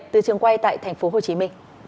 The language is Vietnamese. từ trường quay tại tp hcm